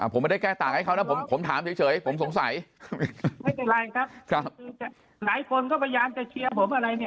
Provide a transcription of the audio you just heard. ผมไม่ได้แก้ต่างให้เขานะผมถามเฉยผมสงสัยไม่เป็นไรครับคือหลายคนก็พยายามจะเชียร์ผมอะไรเนี่ย